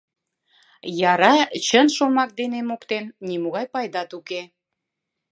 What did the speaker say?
Яра, чын шомак дене моктен, нимогай пайдат уке.